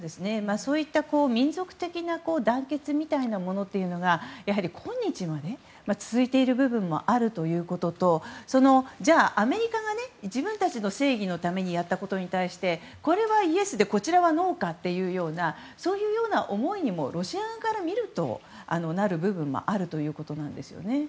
そういった民族的な団結みたいなものが、今日も続いている部分もあるということとじゃあ、アメリカが自分たちの正義のためにやったことに対してこれはイエスでこちらはノーかというようなそういうような思いにもロシア側から見るとなる部分もあるということです。